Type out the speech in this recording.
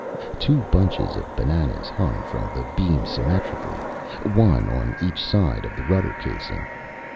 Two bunches of bananas hung from the beam symmetrically, one on each side of the rudder casing.